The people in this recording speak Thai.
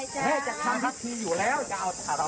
นี่คือเป็นภัณฑ์ใหม่จ้า